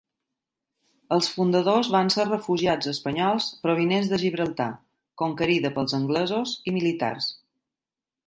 Els fundadors van ser refugiats espanyols provinents de Gibraltar, conquerida pels anglesos, i militars.